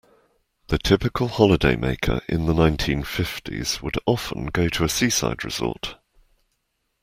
The typical holidaymaker in the nineteen-fifties would often go to a seaside resort